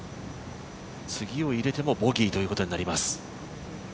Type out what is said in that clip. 次を入れてもボギーということになります。